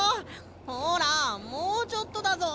ほらもうちょっとだぞ！